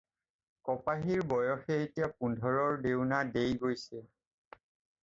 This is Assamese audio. কপাহীৰ বয়সে এতিয়া পোন্ধৰৰ ডেওনা ডেই গৈছে।